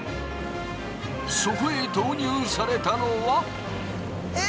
そこへ投入されたのは。え！？